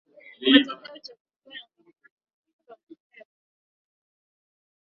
Matokeo ya uchaguzi huo yakafutwa na mwenyekiti wa tume ya uchaguzi Zanzibar